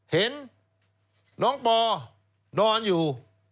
เห็นน้องปอนอนอยู่